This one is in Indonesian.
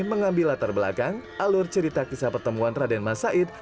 mengambil latar belakang alur cerita kisah pertemuan raden masaid